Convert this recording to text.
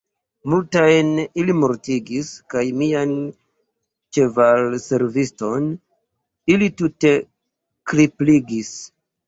Multajn ili mortigis, kaj mian ĉevalserviston ili tute kripligis.